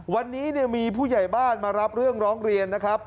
วันนี้มีผู้ใหญ่บ้านมารับเรื่องร้องเรียนนะครับ